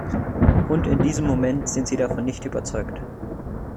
Und in diesem Moment sind sie davon nicht überzeugt.